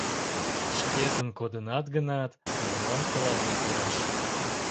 — Шкетын кодынат гынат, молан тылат ойгыраш?